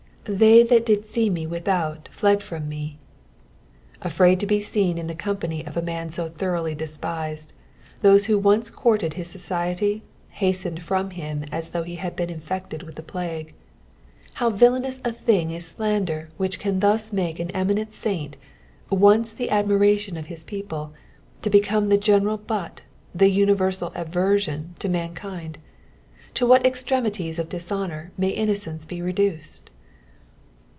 '' They that did tee me ttUhout fiedfrom nu." Afraid to be seen in the company of a man so thoroughly despised, those who onc« courted Ids society hastened from him as though he bad been infected with the plague. How villainous a thing is slander which can thug make an eminent saint, once the admiration of his people, to become the general butt, the univeraal aversion of mankind I To what extremities of dboonour may innocence be reduced